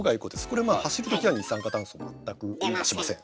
これまあ走る時は二酸化炭素全く出しません。